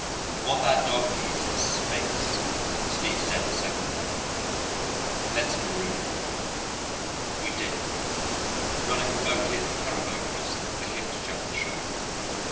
"What that dog needs is space," Steve said the second day. "Let's maroon him." We did, running the boat in at Caribou Crossing for him to jump ashore.